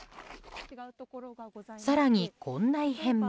更に、こんな異変も。